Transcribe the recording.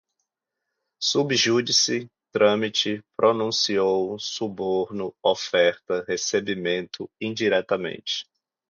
sub judice, trâmite, pronunciou, suborno, oferta, recebimento, indiretamente